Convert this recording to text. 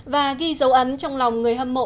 và ghi dấu ấn trong lòng người hâm mộ